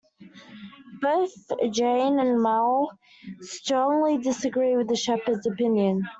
Both Jayne and Mal strongly disagree with the Shepherd's opinion.